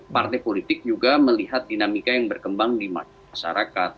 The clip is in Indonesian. partai politik juga melihat dinamika yang berkembang di masyarakat